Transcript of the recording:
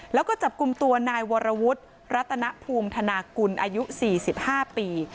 แล้วก็จับกลุ่มตัวนายวรวุฒิรัตนภูมิธนากุลอายุ๔๕ปี